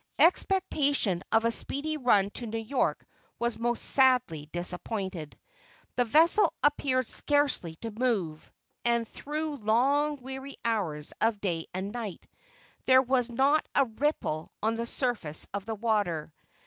Expectation of a speedy run to New York was most sadly disappointed. The vessel appeared scarcely to move, and through long weary hours of day and night, there was not a ripple on the surface of the water.